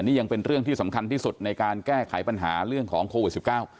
นี่ยังเป็นเรื่องที่สำคัญที่สุดในการแก้ไขปัญหาเรื่องของโควิดสิบเก้า